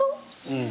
うん。